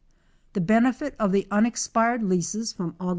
The benefit of the unexpired leases from Aug.